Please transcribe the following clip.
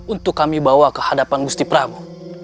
untuk kami bawa ke hadapan gusti prabu